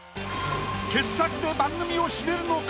傑作で番組を締めるのか？